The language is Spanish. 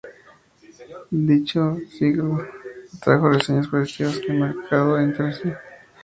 Dicho single atrajo reseñas positivas en el mercado internacional.